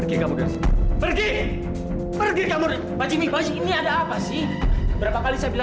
sampai jumpa di video selanjutnya